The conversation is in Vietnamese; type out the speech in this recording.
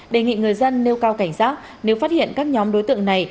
đề nghị người dân nêu cao cảnh giác nếu phát hiện các nhóm đối tượng này